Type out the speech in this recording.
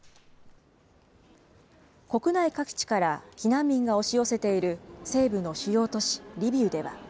国内各地から避難民が押し寄せている西部の主要都市リビウでは。